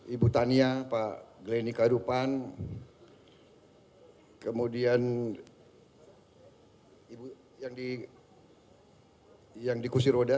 ibu tania pak glenni karupan kemudian yang di kusiroda